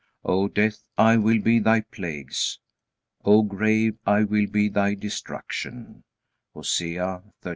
"O death, I will be thy plagues; O grave, I will be thy destruction," Hosea 13:14.